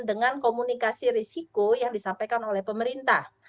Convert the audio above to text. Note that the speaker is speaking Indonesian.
dengan komunikasi risiko yang disampaikan oleh pemerintah